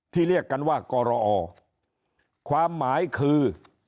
เรียกกันว่ากรอความหมายคือ